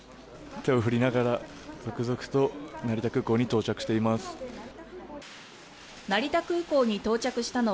手を振りながら続々と成田空港に到着しています。